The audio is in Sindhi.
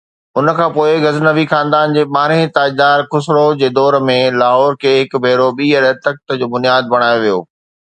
ان کان پوءِ غزنوي خاندان جي ٻارهين تاجدار خسروءَ جي دور ۾، لاهور کي هڪ ڀيرو ٻيهر تخت جو بنياد بڻايو ويو.